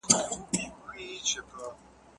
د خيار حق يو قانوني حق دی.